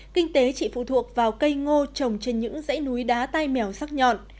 kinh tế chỉ phụ thuộc vào cây ngô trồng trên những dãy núi đá tai mèo sắc nhọn